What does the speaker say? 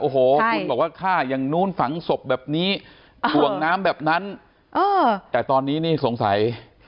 โอ้โหคุณบอกว่าฆ่าอย่างนู้นฝังศพแบบนี้ถ่วงน้ำแบบนั้นแต่ตอนนี้นี่สงสัย